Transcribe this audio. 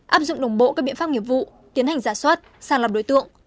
áp dụng đồng bộ các biện pháp nghiệp vụ tiến hành giả soát sàng lọc đối tượng